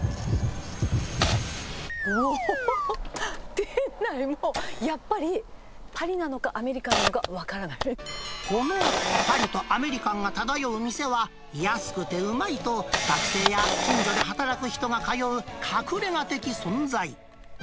うおー、店内もやっぱり、パリなのか、アメリカンなのか、分からこの、パリとアメリカンが漂う店は、安くてうまいと、学生や近所で働く人が通う、隠れ家的存在。